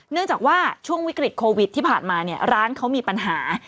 เนื่องจากว่าช่วงวิกฤตโควิดที่ผ่านมาเนี่ยร้านเขามีปัญหา